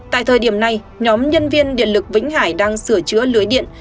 tại thời điểm này nhóm nhân viên điện lực vĩnh hải đang sửa chữa lưới điện